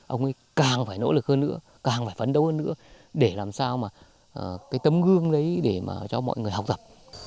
ông ấy càng phải nỗ lực hơn nữa càng phải phấn đấu hơn nữa để làm sao mà cái tấm gương đấy để mà cho mọi người học tập